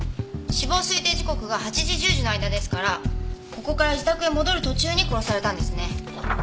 死亡推定時刻が８時１０時の間ですからここから自宅へ戻る途中に殺されたんですね。